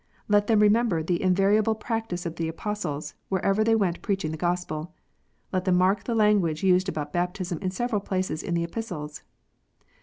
Let them remember the invariable practice of the Apostles, wherever they went preaching the Gospel. Let them mark the language used about baptism in several places in the Epistles.